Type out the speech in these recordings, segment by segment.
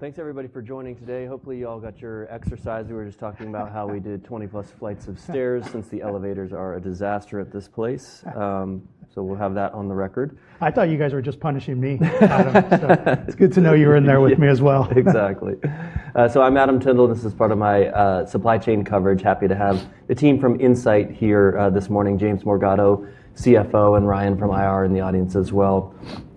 Thanks everybody for joining today. Hopefully you all got your exercise. We were just talking about how we did 20-plus flights of stairs since the elevators are a disaster at this place. We'll have that on the record. I thought you guys were just punishing me. It's good to know you were in there with me as well. Exactly. So I'm Adam Tindle. This is part of my supply chain coverage. Happy to have the team from Insight here this morning, James Morgado, CFO, and Ryan from IR in the audience as well.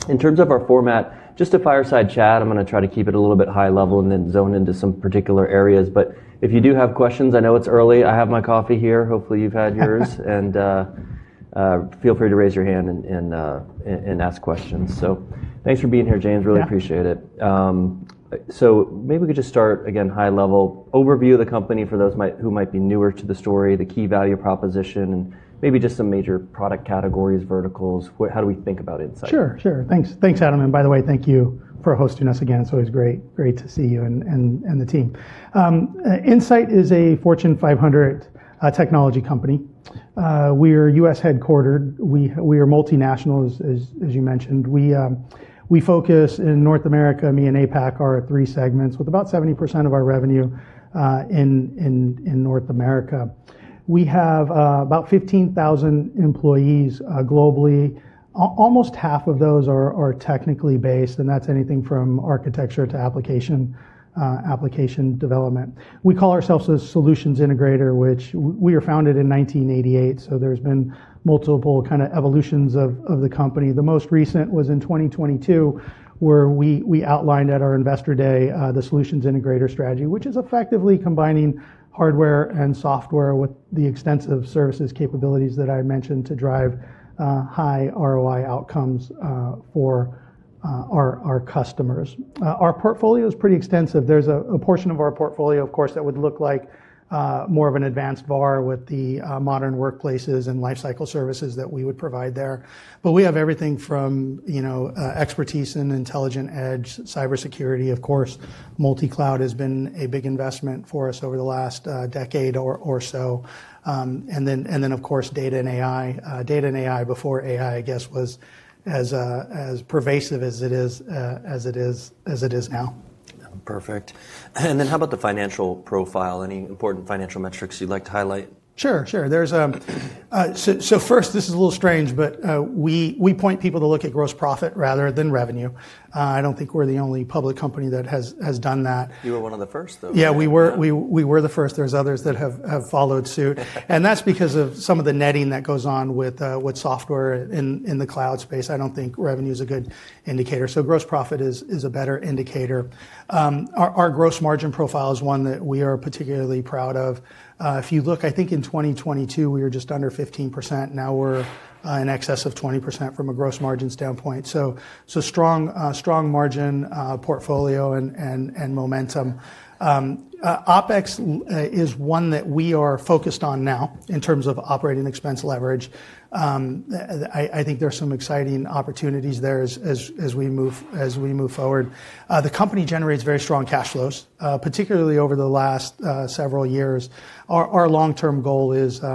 In terms of our format, just a fireside chat. I'm going to try to keep it a little bit high level and then zone into some particular areas. But if you do have questions, I know it's early. I have my coffee here. Hopefully you've had yours and feel free to raise your hand and ask questions, so thanks for being here, James. Really appreciate it, so maybe we could just start again, high level, overview of the company for those who might be newer to the story, the key value proposition, and maybe just some major product categories, verticals. How do we think about Insight? Sure, sure. Thanks, Adam. And by the way, thank you for hosting us again. It's always great to see you and the team. Insight is a Fortune 500 technology company. We are U.S. headquartered. We are multinational, as you mentioned. We focus in North America, EMEA and APAC are three segments, with about 70% of our revenue in North America. We have about 15,000 employees globally. Almost half of those are technically based, and that's anything from architecture to application development. We call ourselves a solutions integrator, which we were founded in 1988. So there's been multiple kind of evolutions of the company. The most recent was in 2022, where we outlined at our investor day the solutions integrator strategy, which is effectively combining hardware and software with the extensive services capabilities that I mentioned to drive high ROI outcomes for our customers. Our portfolio is pretty extensive. There's a portion of our portfolio, of course, that would look like more of an advanced VAR with the modern workplaces and lifecycle services that we would provide there. But we have everything from expertise in Intelligent Edge, cybersecurity, of course. Multi-cloud has been a big investment for us over the last decade or so. And then, of course, data and AI. Data and AI before AI, I guess, was as pervasive as it is now. Perfect. And then how about the financial profile? Any important financial metrics you'd like to highlight? Sure, sure. So first, this is a little strange, but we point people to look at gross profit rather than revenue. I don't think we're the only public company that has done that. You were one of the first, though. Yeah, we were the first. There's others that have followed suit. And that's because of some of the netting that goes on with software in the cloud space. I don't think revenue is a good indicator. So gross profit is a better indicator. Our gross margin profile is one that we are particularly proud of. If you look, I think in 2022, we were just under 15%. Now we're in excess of 20% from a gross margin standpoint. So strong margin portfolio and momentum. OPEX is one that we are focused on now in terms of operating expense leverage. I think there's some exciting opportunities there as we move forward. The company generates very strong cash flows, particularly over the last several years. Our long-term goal is to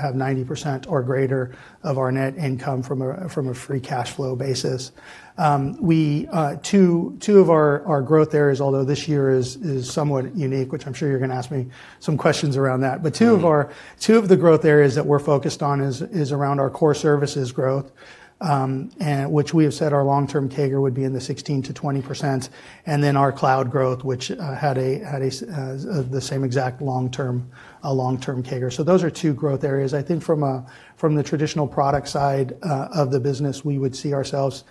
have 90% or greater of our net income from a free cash flow basis. Two of our growth areas, although this year is somewhat unique, which I'm sure you're going to ask me some questions around that, but two of the growth areas that we're focused on is around our core services growth, which we have said our long-term CAGR would be in the 16%-20%, and then our cloud growth, which had the same exact long-term CAGR, so those are two growth areas. I think from the traditional product side of the business, we would see ourselves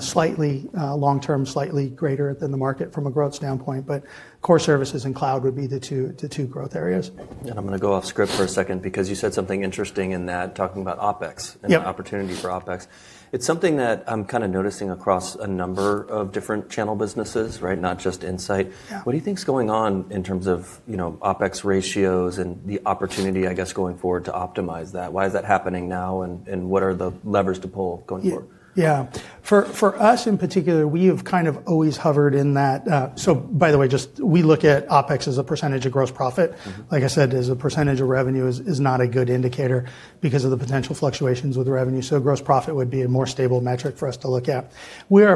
slightly long-term, slightly greater than the market from a growth standpoint, but core services and cloud would be the two growth areas. I'm going to go off script for a second because you said something interesting in that, talking about OPEX and the opportunity for OPEX. It's something that I'm kind of noticing across a number of different channel businesses, right? Not just Insight. What do you think is going on in terms of OPEX ratios and the opportunity, I guess, going forward to optimize that? Why is that happening now? And what are the levers to pull going forward? Yeah. For us in particular, we have kind of always hovered in that. So by the way, just we look at OPEX as a percentage of gross profit. Like I said, as a percentage of revenue is not a good indicator because of the potential fluctuations with revenue. So gross profit would be a more stable metric for us to look at. We're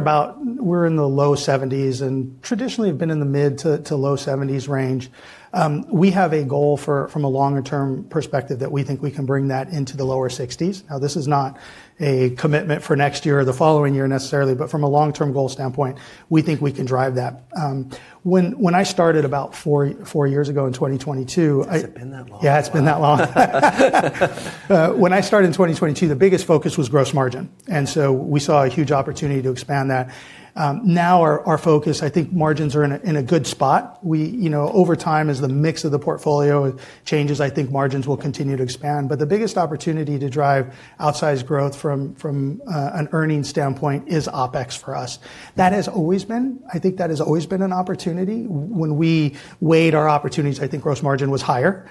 in the low 70s% and traditionally have been in the mid to low 70s% range. We have a goal from a longer-term perspective that we think we can bring that into the lower 60s%. Now, this is not a commitment for next year or the following year necessarily, but from a long-term goal standpoint, we think we can drive that. When I started about four years ago in 2022. Has it been that long? Yeah, it's been that long. When I started in 2022, the biggest focus was gross margin. So we saw a huge opportunity to expand that. Now our focus, I think margins are in a good spot. Over time, as the mix of the portfolio changes, I think margins will continue to expand. The biggest opportunity to drive outsized growth from an earnings standpoint is OPEX for us. That has always been, I think that has always been an opportunity. When we weighed our opportunities, I think gross margin was higher.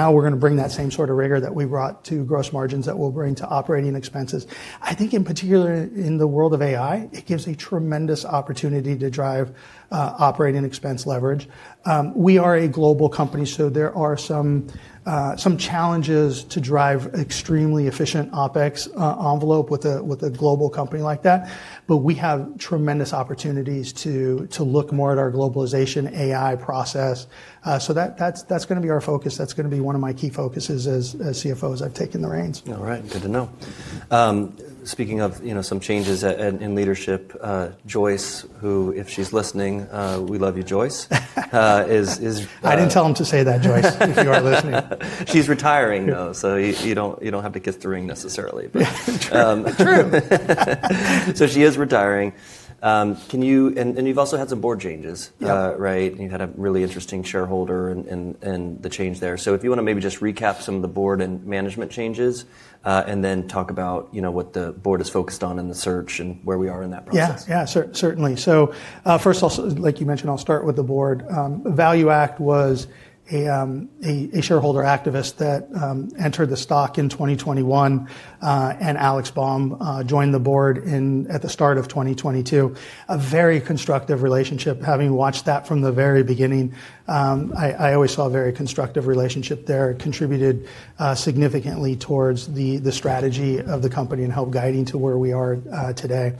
Now we're going to bring that same sort of rigor that we brought to gross margins that we'll bring to operating expenses. I think in particular in the world of AI, it gives a tremendous opportunity to drive operating expense leverage. We are a global company, so there are some challenges to drive extremely efficient OPEX envelope with a global company like that. But we have tremendous opportunities to look more at our globalization AI process. So that's going to be our focus. That's going to be one of my key focuses as CFO as I've taken the reins. All right. Good to know. Speaking of some changes in leadership, Joyce, who if she's listening, we love you, Joyce, is. I didn't tell him to say that, Joyce, if you are listening. She's retiring, though, so you don't have to kiss the ring necessarily. True. So she is retiring. And you've also had some board changes, right? You had a really interesting shareholder and the change there. So if you want to maybe just recap some of the board and management changes and then talk about what the board is focused on in the search and where we are in that process. Yeah, yeah, certainly, so first, like you mentioned, I'll start with the board. ValueAct was a shareholder activist that entered the stock in 2021, and Alex Baum joined the board at the start of 2022. A very constructive relationship. Having watched that from the very beginning, I always saw a very constructive relationship there. Contributed significantly towards the strategy of the company and helped guide into where we are today.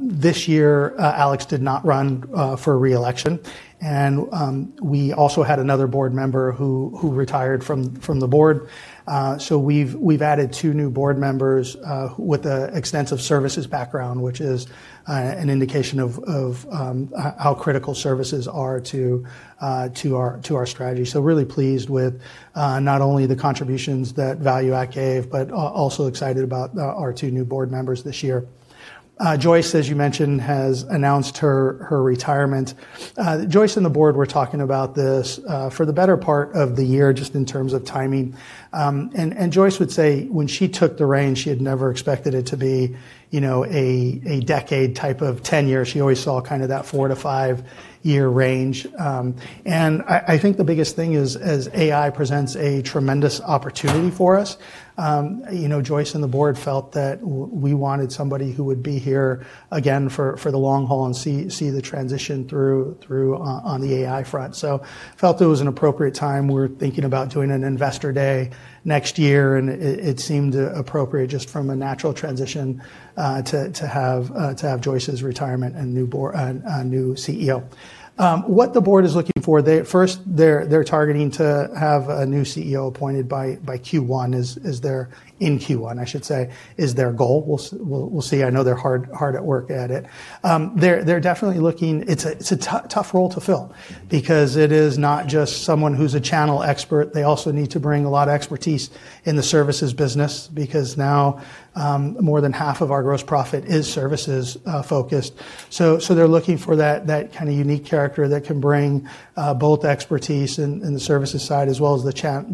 This year, Alex did not run for reelection, and we also had another board member who retired from the board, so we've added two new board members with an extensive services background, which is an indication of how critical services are to our strategy, so really pleased with not only the contributions that ValueAct gave, but also excited about our two new board members this year. Joyce, as you mentioned, has announced her retirement. Joyce and the board were talking about this for the better part of the year, just in terms of timing. And Joyce would say when she took the reins, she had never expected it to be a decade type of 10 years. She always saw kind of that four to five-year range. And I think the biggest thing is as AI presents a tremendous opportunity for us. Joyce and the board felt that we wanted somebody who would be here again for the long haul and see the transition through on the AI front. So felt it was an appropriate time. We're thinking about doing an investor day next year, and it seemed appropriate just from a natural transition to have Joyce's retirement and new CEO. What the board is looking for, first, they're targeting to have a new CEO appointed by Q1. Is there in Q1, I should say, is their goal. We'll see. I know they're hard at work at it. They're definitely looking, it's a tough role to fill because it is not just someone who's a channel expert. They also need to bring a lot of expertise in the services business because now more than half of our gross profit is services focused. So they're looking for that kind of unique character that can bring both expertise in the services side as well as the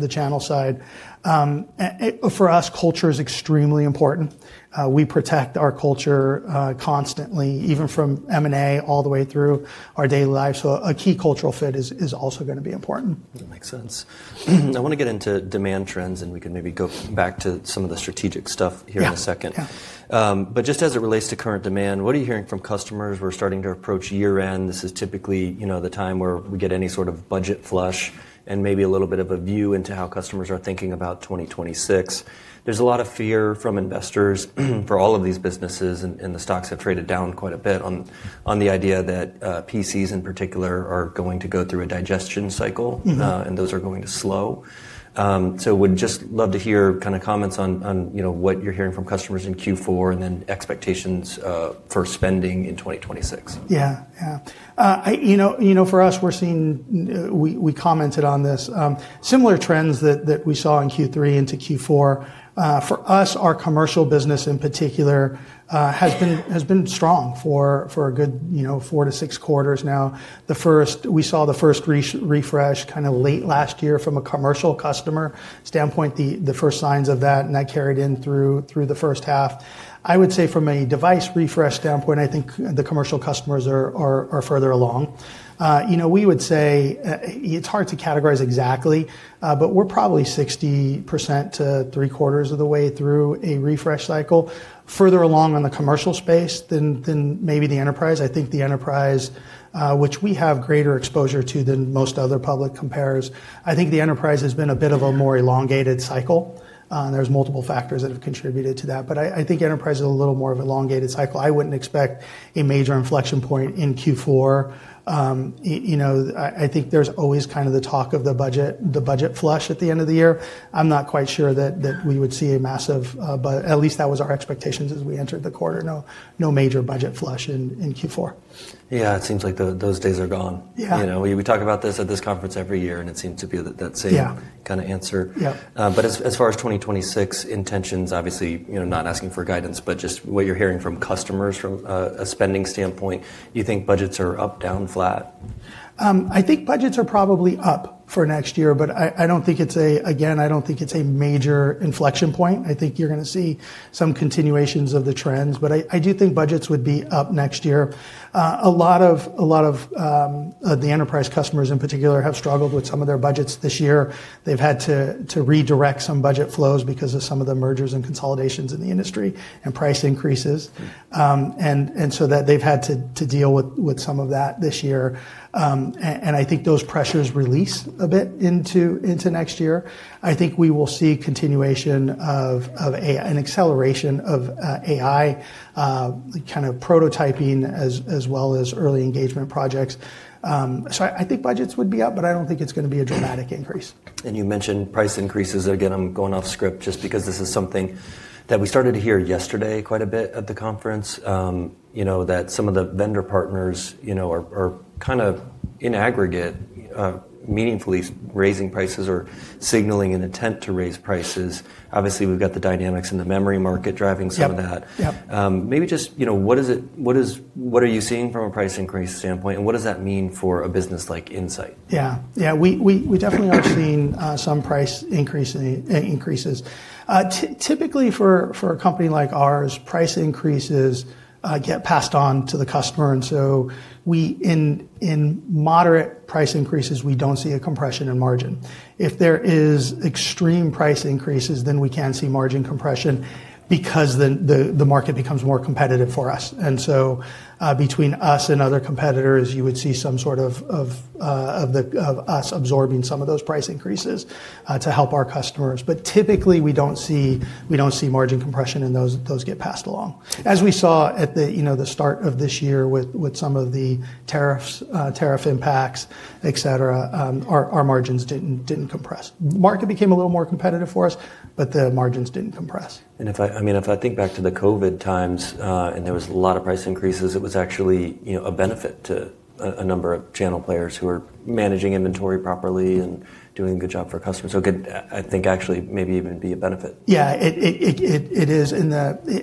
channel side. For us, culture is extremely important. We protect our culture constantly, even from M&A all the way through our daily life. So a key cultural fit is also going to be important. That makes sense. I want to get into demand trends, and we could maybe go back to some of the strategic stuff here in a second. But just as it relates to current demand, what are you hearing from customers? We're starting to approach year-end. This is typically the time where we get any sort of budget flush and maybe a little bit of a view into how customers are thinking about 2026. There's a lot of fear from investors for all of these businesses, and the stocks have traded down quite a bit on the idea that PCs in particular are going to go through a digestion cycle, and those are going to slow. So would just love to hear kind of comments on what you're hearing from customers in Q4 and then expectations for spending in 2026. Yeah, yeah. For us, we're seeing, we commented on this, similar trends that we saw in Q3 into Q4. For us, our commercial business in particular has been strong for a good four to six quarters now. We saw the first refresh kind of late last year from a commercial customer standpoint, the first signs of that, and that carried in through the first half. I would say from a device refresh standpoint, I think the commercial customers are further along. We would say it's hard to categorize exactly, but we're probably 60% to three quarters of the way through a refresh cycle. Further along on the commercial space than maybe the enterprise. I think the enterprise, which we have greater exposure to than most other public comparables, I think the enterprise has been a bit of a more elongated cycle. There's multiple factors that have contributed to that. But I think enterprise is a little more of an elongated cycle. I wouldn't expect a major inflection point in Q4. I think there's always kind of the talk of the budget flush at the end of the year. I'm not quite sure that we would see a massive, at least that was our expectations as we entered the quarter, no major budget flush in Q4. Yeah, it seems like those days are gone. We talk about this at this conference every year, and it seems to be that same kind of answer. But as far as 2026 intentions, obviously not asking for guidance, but just what you're hearing from customers from a spending standpoint, you think budgets are up, down, flat? I think budgets are probably up for next year, but I don't think it's a, again, I don't think it's a major inflection point. I think you're going to see some continuations of the trends, but I do think budgets would be up next year. A lot of the enterprise customers in particular have struggled with some of their budgets this year. They've had to redirect some budget flows because of some of the mergers and consolidations in the industry and price increases. And so they've had to deal with some of that this year. And I think those pressures release a bit into next year. I think we will see continuation of an acceleration of AI kind of prototyping as well as early engagement projects. So I think budgets would be up, but I don't think it's going to be a dramatic increase. And you mentioned price increases. Again, I'm going off script just because this is something that we started to hear yesterday quite a bit at the conference, that some of the vendor partners are kind of in aggregate, meaningfully raising prices or signaling an attempt to raise prices. Obviously, we've got the dynamics in the memory market driving some of that. Maybe just what are you seeing from a price increase standpoint, and what does that mean for a business like Insight? Yeah, yeah. We definitely are seeing some price increases. Typically, for a company like ours, price increases get passed on to the customer. And so in moderate price increases, we don't see a compression in margin. If there is extreme price increases, then we can see margin compression because the market becomes more competitive for us. And so between us and other competitors, you would see some sort of us absorbing some of those price increases to help our customers. But typically, we don't see margin compression, and those get passed along. As we saw at the start of this year with some of the tariffs, tariff impacts, etc., our margins didn't compress. Market became a little more competitive for us, but the margins didn't compress. I mean, if I think back to the COVID times and there was a lot of price increases, it was actually a benefit to a number of channel players who are managing inventory properly and doing a good job for customers. So I think actually maybe even be a benefit. Yeah, it is. And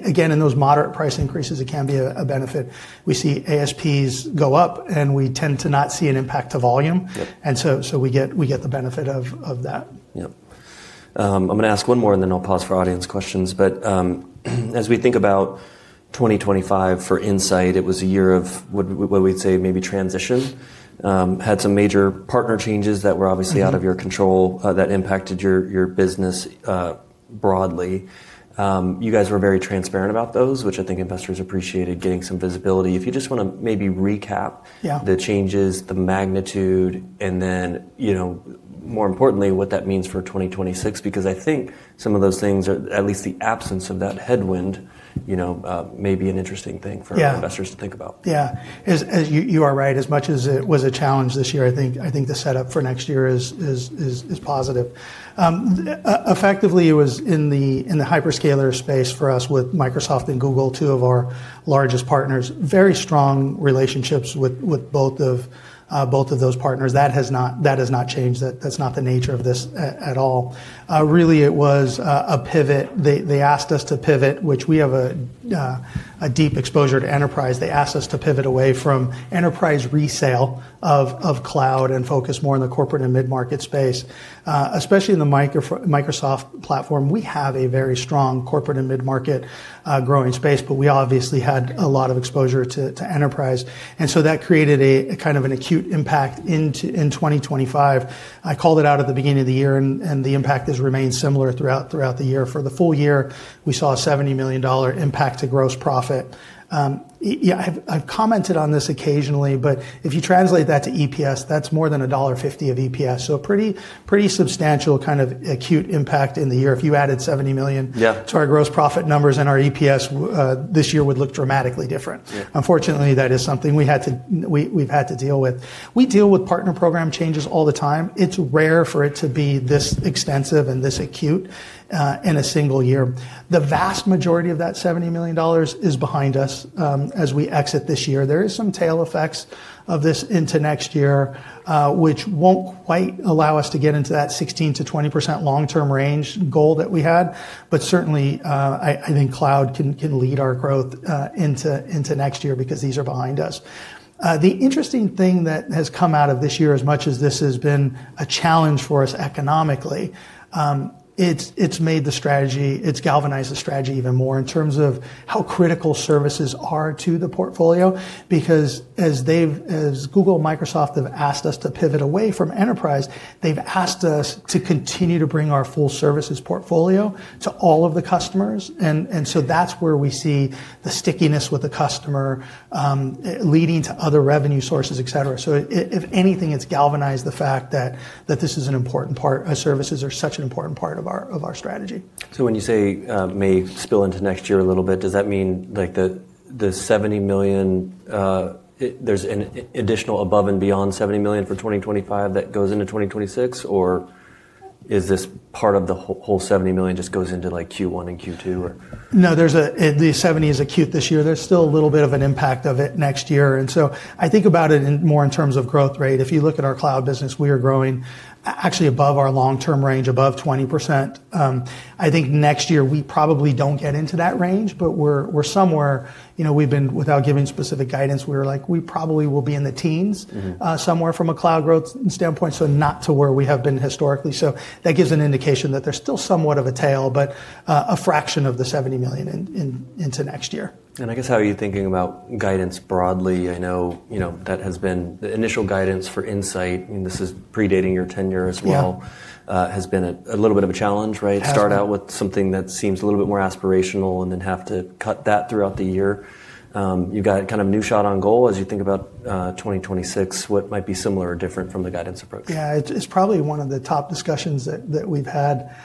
again, in those moderate price increases, it can be a benefit. We see ASPs go up, and we tend to not see an impact to volume. And so we get the benefit of that. Yep. I'm going to ask one more, and then I'll pause for audience questions. But as we think about 2025 for Insight, it was a year of what we'd say maybe transition. Had some major partner changes that were obviously out of your control that impacted your business broadly. You guys were very transparent about those, which I think investors appreciated getting some visibility. If you just want to maybe recap the changes, the magnitude, and then more importantly, what that means for 2026, because I think some of those things, at least the absence of that headwind, may be an interesting thing for investors to think about. Yeah. Yeah. You are right. As much as it was a challenge this year, I think the setup for next year is positive. Effectively, it was in the hyperscaler space for us with Microsoft and Google, two of our largest partners. Very strong relationships with both of those partners. That has not changed. That's not the nature of this at all. Really, it was a pivot. They asked us to pivot, which we have a deep exposure to enterprise. They asked us to pivot away from enterprise resale of cloud and focus more on the corporate and mid-market space. Especially in the Microsoft platform, we have a very strong corporate and mid-market growing space, but we obviously had a lot of exposure to enterprise. And so that created a kind of an acute impact in 2025. I called it out at the beginning of the year, and the impact has remained similar throughout the year. For the full year, we saw a $70 million impact to gross profit. I've commented on this occasionally, but if you translate that to EPS, that's more than $1.50 of EPS. So a pretty substantial kind of acute impact in the year. If you added $70 million to our gross profit numbers and our EPS, this year would look dramatically different. Unfortunately, that is something we've had to deal with. We deal with partner program changes all the time. It's rare for it to be this extensive and this acute in a single year. The vast majority of that $70 million is behind us as we exit this year. There are some tail effects of this into next year, which won't quite allow us to get into that 16%-20% long-term range goal that we had. But certainly, I think cloud can lead our growth into next year because these are behind us. The interesting thing that has come out of this year, as much as this has been a challenge for us economically, it's galvanized the strategy even more in terms of how critical services are to the portfolio. Because as Google, Microsoft have asked us to pivot away from enterprise, they've asked us to continue to bring our full services portfolio to all of the customers. And so that's where we see the stickiness with the customer leading to other revenue sources, etc. So if anything, it's galvanized the fact that this is an important part. Services are such an important part of our strategy. So when you say may spill into next year a little bit, does that mean the $70 million, there's an additional above and beyond $70 million for 2025 that goes into 2026, or is this part of the whole $70 million just goes into Q1 and Q2? No, the $70 million is accrued this year. There's still a little bit of an impact of it next year. And so I think about it more in terms of growth rate. If you look at our cloud business, we are growing actually above our long-term range, above 20%. I think next year we probably don't get into that range, but we're somewhere. Without giving specific guidance, we were like, we probably will be in the teens somewhere from a cloud growth standpoint, so not to where we have been historically. So that gives an indication that there's still somewhat of a tail, but a fraction of the $70 million into next year. And I guess how are you thinking about guidance broadly? I know that has been the initial guidance for Insight. This is predating your tenure as well, has been a little bit of a challenge, right? Start out with something that seems a little bit more aspirational and then have to cut that throughout the year. You've got kind of a new shot on goal as you think about 2026, what might be similar or different from the guidance approach? Yeah, it's probably one of the top discussions that we've had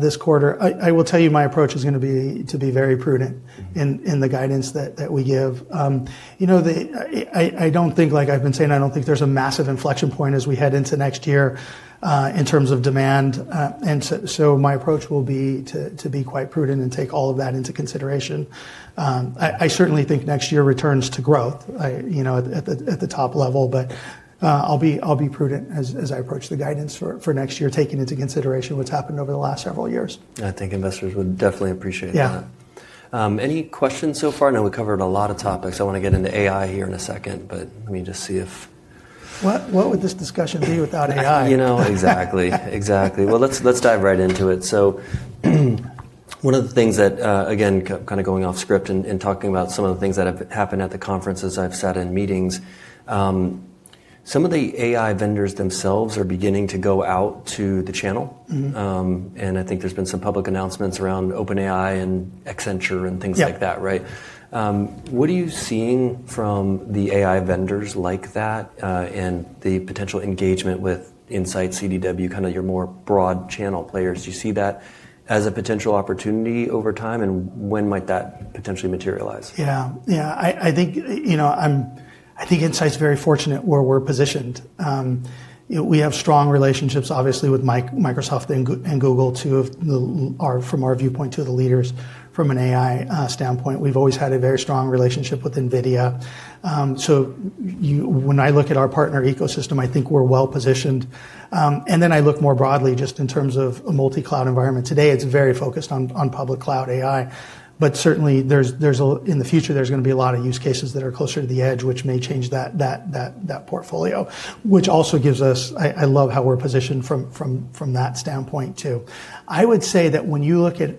this quarter. I will tell you my approach is going to be to be very prudent in the guidance that we give. I don't think, like I've been saying, I don't think there's a massive inflection point as we head into next year in terms of demand, and so my approach will be to be quite prudent and take all of that into consideration. I certainly think next year returns to growth at the top level, but I'll be prudent as I approach the guidance for next year, taking into consideration what's happened over the last several years. I think investors would definitely appreciate that. Any questions so far? I know we covered a lot of topics. I want to get into AI here in a second, but let me just see if. What would this discussion be without AI? You know, exactly. Exactly. Well, let's dive right into it. So one of the things that, again, kind of going off script and talking about some of the things that have happened at the conferences, I've sat in meetings. Some of the AI vendors themselves are beginning to go out to the channel. And I think there's been some public announcements around OpenAI and Accenture and things like that, right? What are you seeing from the AI vendors like that and the potential engagement with Insight, CDW, kind of your more broad channel players? Do you see that as a potential opportunity over time? And when might that potentially materialize? Yeah, yeah. I think Insight's very fortunate where we're positioned. We have strong relationships, obviously, with Microsoft and Google too, from our viewpoint to the leaders from an AI standpoint. We've always had a very strong relationship with NVIDIA. So when I look at our partner ecosystem, I think we're well positioned. And then I look more broadly just in terms of a multi-cloud environment. Today, it's very focused on public cloud AI. But certainly, in the future, there's going to be a lot of use cases that are closer to the edge, which may change that portfolio, which also gives us. I love how we're positioned from that standpoint too. I would say that when you look at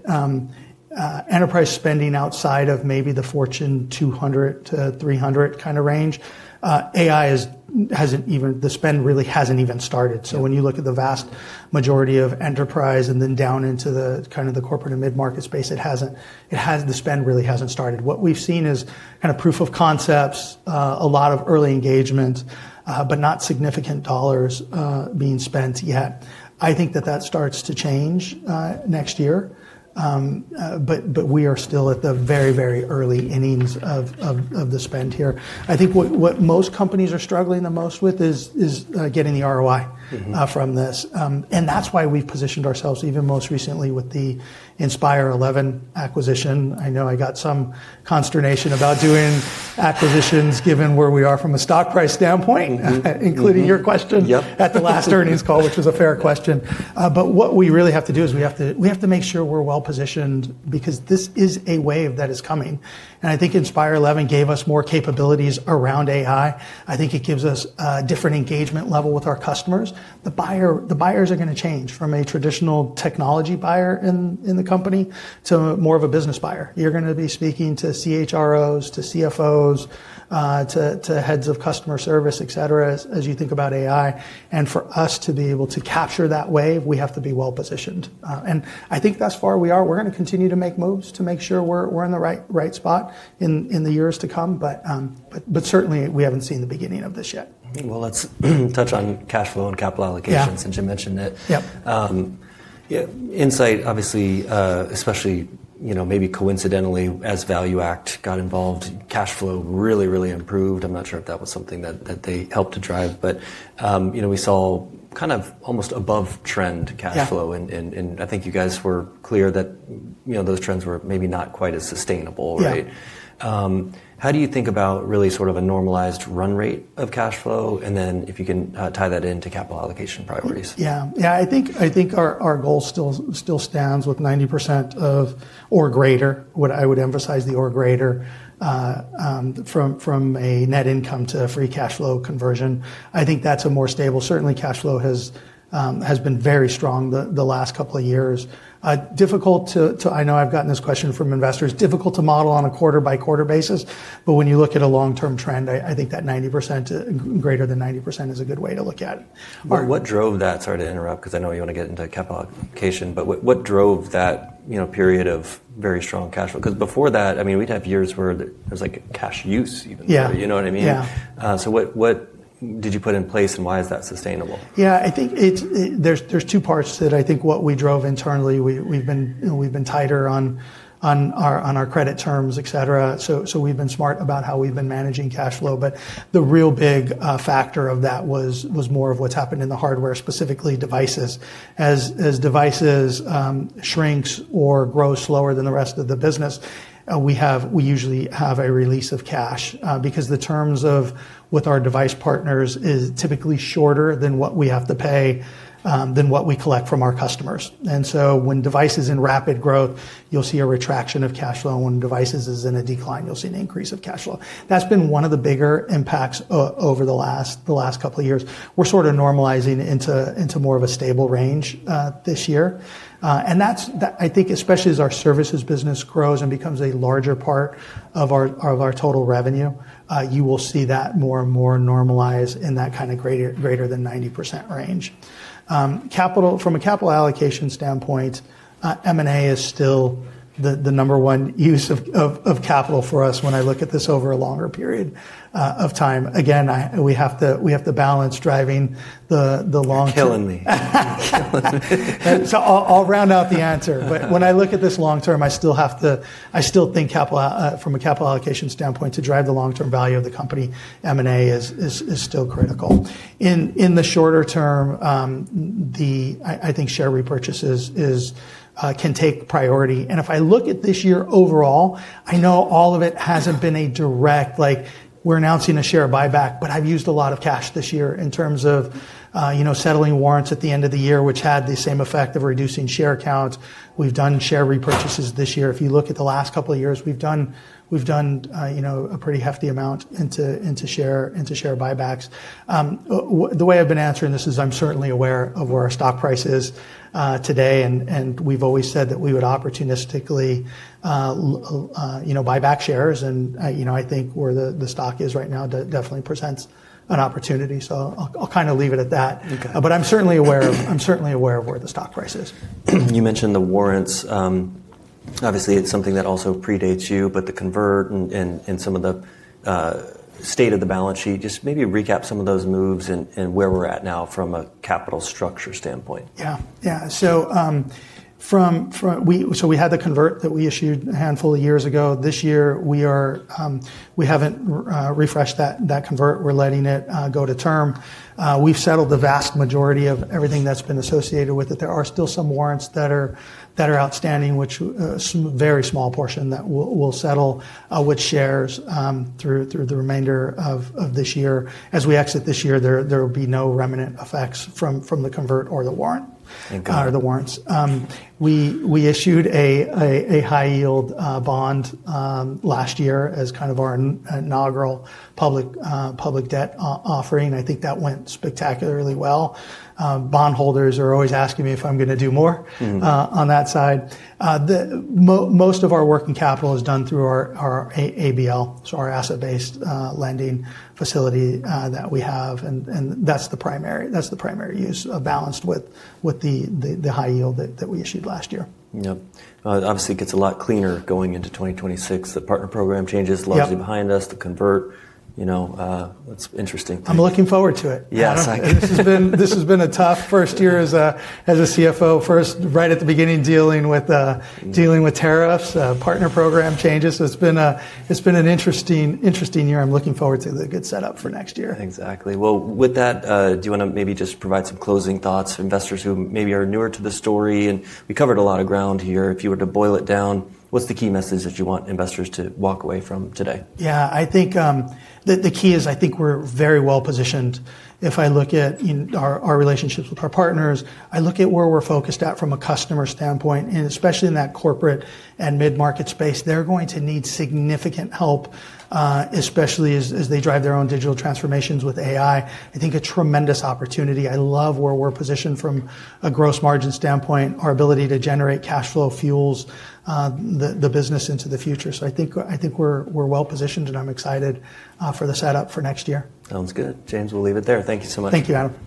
enterprise spending outside of maybe the Fortune 200-300 kind of range, AI hasn't even. The spend really hasn't even started. So when you look at the vast majority of enterprise and then down into the kind of the corporate and mid-market space, it hasn't. The spend really hasn't started. What we've seen is kind of proof of concepts, a lot of early engagement, but not significant dollars being spent yet. I think that that starts to change next year. But we are still at the very, very early innings of the spend here. I think what most companies are struggling the most with is getting the ROI from this. And that's why we've positioned ourselves even most recently with the Inspire11 acquisition. I know I got some consternation about doing acquisitions given where we are from a stock price standpoint, including your question at the last earnings call, which was a fair question. But what we really have to do is we have to make sure we're well positioned because this is a wave that is coming. And I think Inspire11 gave us more capabilities around AI. I think it gives us a different engagement level with our customers. The buyers are going to change from a traditional technology buyer in the company to more of a business buyer. You're going to be speaking to CHROs, to CFOs, to heads of customer service, etc., as you think about AI. And for us to be able to capture that wave, we have to be well positioned. And I think that's where we are. We're going to continue to make moves to make sure we're in the right spot in the years to come. But certainly, we haven't seen the beginning of this yet. Let's touch on cash flow and capital allocation since you mentioned it. Insight, obviously, especially maybe coincidentally as ValueAct got involved, cash flow really, really improved. I'm not sure if that was something that they helped to drive, but we saw kind of almost above trend cash flow. And I think you guys were clear that those trends were maybe not quite as sustainable, right? How do you think about really sort of a normalized run rate of cash flow? And then if you can tie that into capital allocation priorities. Yeah. Yeah, I think our goal still stands with 90% or greater, what I would emphasize, the or greater, from a net income to free cash flow conversion. I think that's a more stable. Certainly, cash flow has been very strong the last couple of years. Difficult to, I know I've gotten this question from investors, difficult to model on a quarter-by-quarter basis. But when you look at a long-term trend, I think that 90%, greater than 90% is a good way to look at it. What drove that? Sorry to interrupt because I know you want to get into capital allocation, but what drove that period of very strong cash flow? Because before that, I mean, we'd have years where there was like cash use even, you know what I mean? So what did you put in place and why is that sustainable? Yeah, I think there's two parts that I think what we drove internally, we've been tighter on our credit terms, etc. So we've been smart about how we've been managing cash flow. But the real big factor of that was more of what's happened in the hardware, specifically devices. As devices shrinks or grow slower than the rest of the business, we usually have a release of cash because the terms with our device partners is typically shorter than what we have to pay than what we collect from our customers. And so when devices are in rapid growth, you'll see a retraction of cash flow. When devices are in decline, you'll see an increase of cash flow. That's been one of the bigger impacts over the last couple of years. We're sort of normalizing into more of a stable range this year. And that's, I think, especially as our services business grows and becomes a larger part of our total revenue, you will see that more and more normalize in that kind of greater than 90% range. From a capital allocation standpoint, M&A is still the number one use of capital for us when I look at this over a longer period of time. Again, we have to balance driving the long-term. It's killing me. So I'll round out the answer. But when I look at this long-term, I still have to, I still think from a capital allocation standpoint to drive the long-term value of the company, M&A is still critical. In the shorter term, I think share repurchases can take priority. And if I look at this year overall, I know all of it hasn't been a direct, like we're announcing a share buyback, but I've used a lot of cash this year in terms of settling warrants at the end of the year, which had the same effect of reducing share accounts. We've done share repurchases this year. If you look at the last couple of years, we've done a pretty hefty amount into share buybacks. The way I've been answering this is I'm certainly aware of where our stock price is today. And we've always said that we would opportunistically buy back shares. And I think where the stock is right now definitely presents an opportunity. So I'll kind of leave it at that. But I'm certainly aware of where the stock price is. You mentioned the warrants. Obviously, it's something that also predates you, but the convert and some of the state of the balance sheet, just maybe recap some of those moves and where we're at now from a capital structure standpoint. Yeah, yeah. So we had the convert that we issued a handful of years ago. This year, we haven't refreshed that convert. We're letting it go to term. We've settled the vast majority of everything that's been associated with it. There are still some warrants that are outstanding, which a very small portion that we'll settle with shares through the remainder of this year. As we exit this year, there will be no remnant effects from the convert or the warrants. We issued a high-yield bond last year as kind of our inaugural public debt offering. I think that went spectacularly well. Bondholders are always asking me if I'm going to do more on that side. Most of our working capital is done through our ABL, so our asset-based lending facility that we have. And that's the primary use, balanced with the high yield that we issued last year. Yep. Obviously, it gets a lot cleaner going into 2026. The partner program changes largely behind us, the convert. It's interesting. I'm looking forward to it. Yeah. This has been a tough first year as a CFO, first right at the beginning dealing with tariffs, partner program changes. It's been an interesting year. I'm looking forward to the good setup for next year. Exactly. Well, with that, do you want to maybe just provide some closing thoughts for investors who maybe are newer to the story? And we covered a lot of ground here. If you were to boil it down, what's the key message that you want investors to walk away from today? Yeah, I think the key is I think we're very well positioned. If I look at our relationships with our partners, I look at where we're focused at from a customer standpoint, and especially in that corporate and mid-market space, they're going to need significant help, especially as they drive their own digital transformations with AI. I think a tremendous opportunity. I love where we're positioned from a gross margin standpoint, our ability to generate cash flow fuels the business into the future. So I think we're well positioned and I'm excited for the setup for next year. Sounds good. James, we'll leave it there. Thank you so much. Thank you Adam.